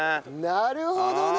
なるほどね！